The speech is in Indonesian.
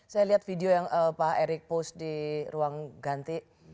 saya lihat video yang pak erick post di ruang ganti